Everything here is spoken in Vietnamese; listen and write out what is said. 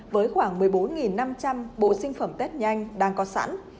với khoảng một mươi bốn năm trăm linh bộ sinh phẩm tết nhanh đang có sẵn